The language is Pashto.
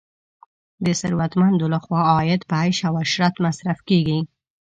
د ثروتمندو لخوا عاید په عیش او عشرت مصرف کیږي.